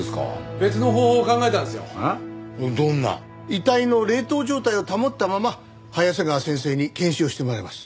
遺体の冷凍状態を保ったまま早瀬川先生に検視をしてもらいます。